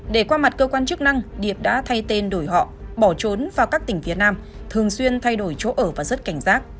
để qua mặt cơ quan chức năng điệp đã thay tên đổi họ bỏ trốn vào các tỉnh phía nam thường xuyên thay đổi chỗ ở và rất cảnh giác